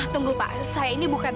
tunggu pak saya ini bukan